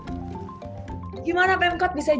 gimana pemkot bisa jadikan